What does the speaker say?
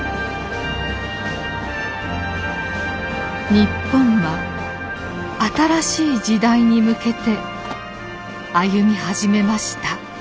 日本は新しい時代に向けて歩み始めました。